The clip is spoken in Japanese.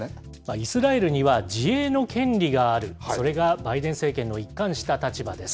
イスラエルには自衛の権利がある、それがバイデン政権の一貫した立場です。